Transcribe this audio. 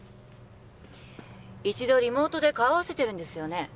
一度リモートで顔合わせてるんですよね